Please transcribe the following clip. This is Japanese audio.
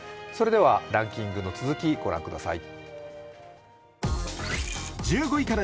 ランキングの続きをご覧ください。